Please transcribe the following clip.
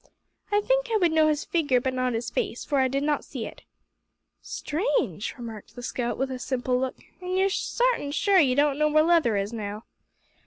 "I think I would know his figure, but not his face, for I did not see it." "Strange!" remarked the scout, with a simple look; "an' you're sartin sure you don't know where Leather is now?"